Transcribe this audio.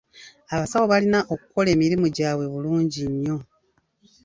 Abasawo balina okukola emirimu gyabwe bulungi nnyo.